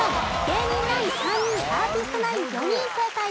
芸人ナイン３人アーティストナイン４人正解です。